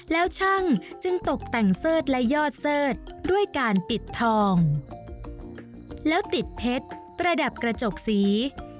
แล้วช่างจึงตกแต่งเสิร์ธและยอดเสิร์ธด้วยการปิดทองแล้วติดเพชรประดับกระจกสี